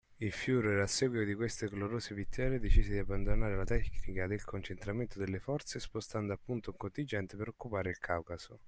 Il Fuhrer, a seguito di queste gloriose vittorie, decise di abbandonare la tecnica del concentramento delle forze spostando appunto un contingente per occupare il Caucaso.